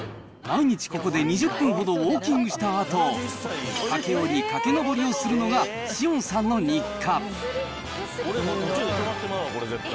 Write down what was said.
毎日ここで２０分ほどウォーキングしたあと、駆け下り、駆け上りをするのが紫苑さんの日課。